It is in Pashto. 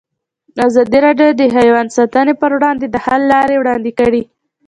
ازادي راډیو د حیوان ساتنه پر وړاندې د حل لارې وړاندې کړي.